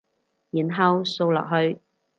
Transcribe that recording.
然後掃落去